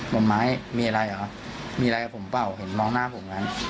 ผมไม้มีอะไรเหรอมีอะไรกับผมเปล่าเห็นมองหน้าผมงั้น